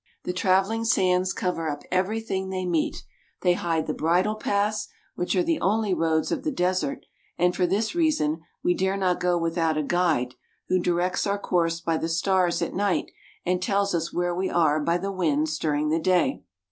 The traveling sands cover up everything they meet. They hide the bridle paths, which are the only roads of the desert, and for this reason we dare not go without a guide, who directs our course by the stars at night and tells us where we are by the winds during the day.